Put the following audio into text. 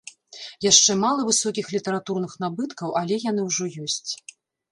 Яшчэ мала высокіх літаратурных набыткаў, але яны ўжо ёсць.